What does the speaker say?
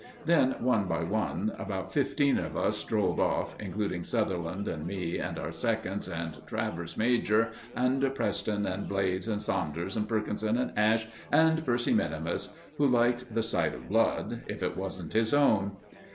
Then, one by one, about fifteen of us strolled off, including Sutherland and me and our seconds and Travers major and Preston and Blades and Saunders and Perkinson and Ash, and Percy Minimus, who liked the sight of blood, if it wasn't his own.